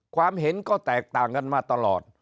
ความเห็นก็แตกต่างกันมาตลอด